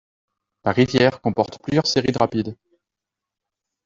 La rivière comporte plusieurs séries de rapides.